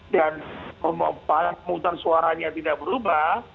dan pembahasan suaranya tidak berubah